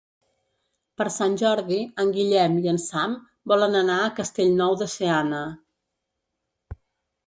Per Sant Jordi en Guillem i en Sam volen anar a Castellnou de Seana.